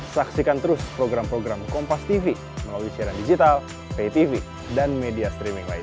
saksikan terus program program kompastv melalui siaran digital paytv dan media streaming lain